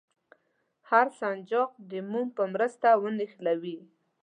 هر سنجاق د موم په مرسته ونښلوئ.